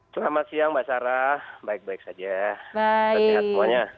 selamat siang mbak sarah baik baik saja